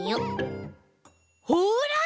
ほら！